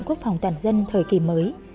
quốc phòng toàn dân thời kỳ mới